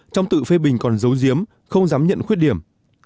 trong tự phê bình còn dấu diếm không dám nhận khuyết điểm